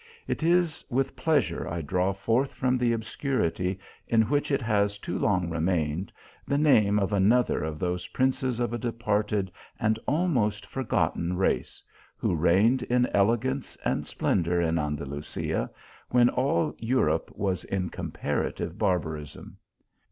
It is with pleasure I draw forth from the obscurity in which it has too long remained, the name of another of those princes of a departed and almost forgotten race, who reigned in elegance and splendour in Andalusia, when all Eu rope was in comparative barbarism.